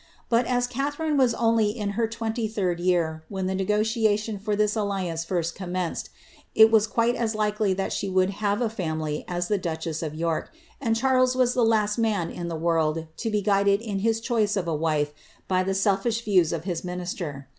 But, as rine was only in her 23d year when the negotiation for this alli Srst commenced, it was quite as likely that she would have a as the duchess of York, and Charles was tlic last man in the to be guided in his choice of a wife by the selfish views of his er.